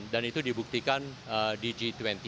dan itu dibuktikan di g dua puluh